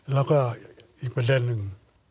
แล้วก็อีกประเด็นหนึ่ง